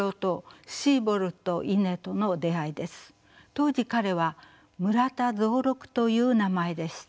当時彼は「村田蔵六」という名前でした。